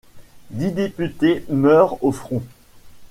Dix députés meurent au front.